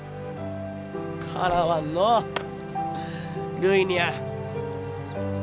かなわんのうるいにゃあ。